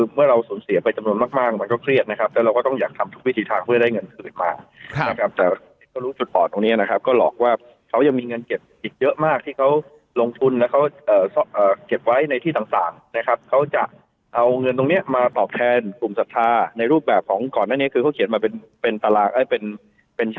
เมื่อเราสูญเสียไปจำนวนมากมันก็เครียดนะครับแล้วเราก็ต้องอยากทำทุกวิธีทางเพื่อได้เงินคืนมานะครับแต่ก็รู้จุดอ่อนตรงนี้นะครับก็หลอกว่าเขายังมีเงินเก็บอีกเยอะมากที่เขาลงทุนแล้วเขาเก็บไว้ในที่ต่างนะครับเขาจะเอาเงินตรงนี้มาตอบแทนกลุ่มศรัทธาในรูปแบบของก่อนหน้านี้คือเขาเขียนมาเป็นเป็นตารางเป็น